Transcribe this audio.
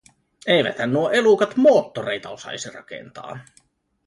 Eiväthän nuo elukat moottoreita osaisi rakentaa.